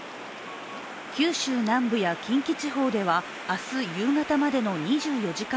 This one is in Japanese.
九州南部や近畿地方では明日夕方までの２４時間